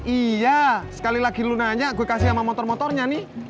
iya sekali lagi lu nanya gue kasih sama motor motornya nih